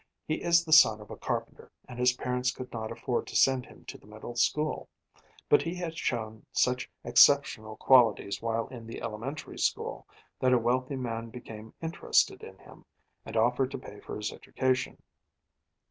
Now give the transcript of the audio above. He is the son of a carpenter; and his parents could not afford to send him to the Middle School. But he had shown such exceptional qualities while in the Elementary School that a wealthy man became interested in him, and offered to pay for his education.